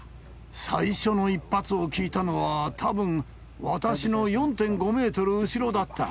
最初の１発を聞いたのは、たぶん私の４．５メートル後ろだった。